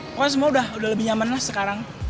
pokoknya semua udah lebih nyaman lah sekarang